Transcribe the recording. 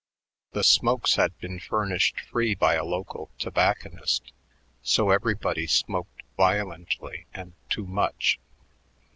The "smokes" had been furnished free by a local tobacconist; so everybody smoked violently and too much.